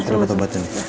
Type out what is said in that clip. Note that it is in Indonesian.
terima kasih obatnya